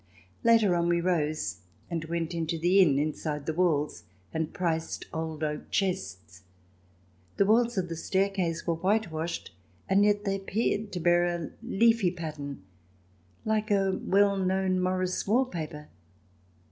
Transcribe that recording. Later on, we rose and went into the inn inside the walls and priced old oak chests. The walls of the staircase were whitewashed, and yet they appeared to bear a leafy pattern, like a well known Morris wall paper.